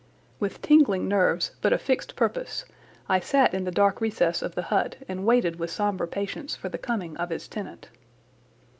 With tingling nerves but a fixed purpose, I sat in the dark recess of the hut and waited with sombre patience for the coming of its tenant.